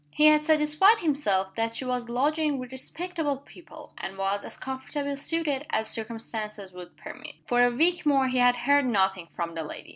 He had satisfied himself that she was lodging with respectable people, and was as comfortably situated as circumstances would permit. For a week more he had heard nothing from the lady.